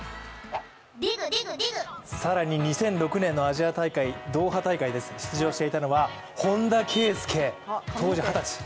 ２００６年のアジア大会ドーハ大会です、出場していたのは本田圭佑、当時二十歳。